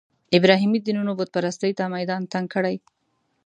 ابراهیمي دینونو بوت پرستۍ ته میدان تنګ کړی.